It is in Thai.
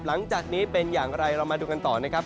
หลังจากนี้เป็นอย่างไรเรามาดูกันต่อนะครับ